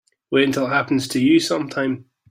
Wait until it happens to you sometime.